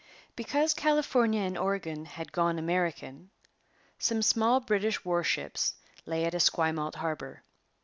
Because California and Oregon had gone American, some small British warships lay at Esquimalt harbour.